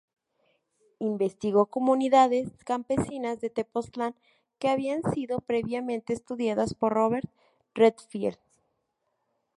Investigó comunidades campesinas de Tepoztlán, que habían sido previamente estudiadas por Robert Redfield.